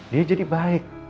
dia jadi baik